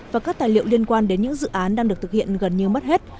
và các tài liệu liên quan đến những dự án đang được thực hiện gần như mất hết